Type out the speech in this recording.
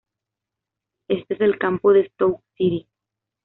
Este es el campo del Stoke City.